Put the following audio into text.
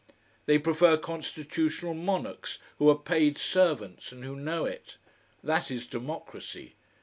They prefer constitutional monarchs, who are paid servants and who know it. That is democracy.